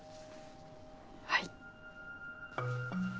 はい。